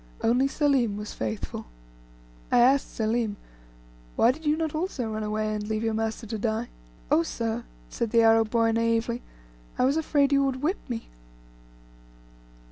Only Selim was faithful. I asked Selim, "Why did you not also run away, and leave your master to die?" "Oh, sir," said the Arab boy, naively, "I was afraid you would whip me."